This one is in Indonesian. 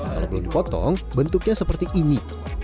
kalau belum dipotong bentuknya seperti ini